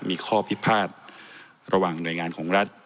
มีข้อพิพาทระหว่างหน่วยงานของรัฐ